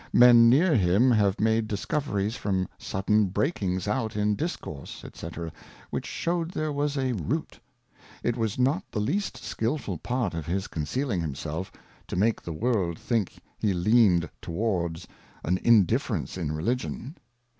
Men near him have made Discoveries from sudden breakings out in Discourse, c^c. which shewed there was a Root. It was not the least skilful part of his concealing himself, to makg~the l^S3iDhiDkn5e~le aned toward FanTndiffe rence InT Religion.